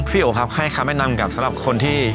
โอครับให้คำแนะนำกับสำหรับคนที่